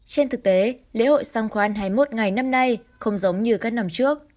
trên thực tế lễ hội songkran hai mươi một ngày năm nay không giống như các năm trước